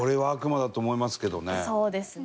そうですね。